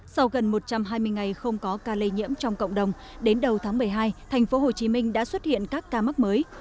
sau gần một trăm hai mươi ngày không có ca lây nhiễm trong cộng đồng đến đầu tháng một mươi hai tp hcm đã xuất hiện các ca mắc mới